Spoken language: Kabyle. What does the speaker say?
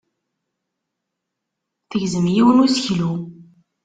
Tegzem yiwen n useklu.